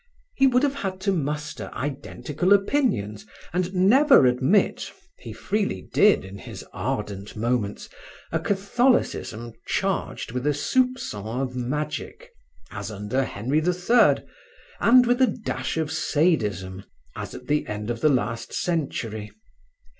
He would have had to muster identical opinions and never admit (he freely did in his ardent moments) a Catholicism charged with a soupcon of magic, as under Henry the Third, and with a dash of sadism, as at the end of the last century.